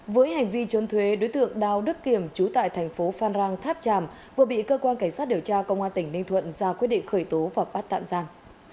với hành vi trốn thuế đối tượng đào đức kiểm trú tại thành phố phan rang tháp tràm vừa bị cơ quan cảnh sát điều tra công an tỉnh ninh thuận ra quyết định khởi tố và bắt tạm giam